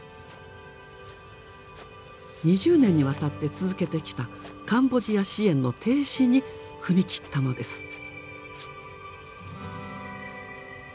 ２０年にわたって続けてきたカンボジア支援の停止に踏み切ったのです。